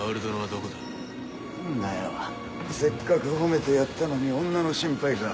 何だよせっかく褒めてやったのに女の心配か。